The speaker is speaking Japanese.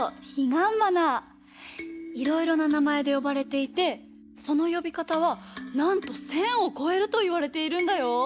いろいろななまえでよばれていてそのよびかたはなんと１，０００をこえるといわれているんだよ。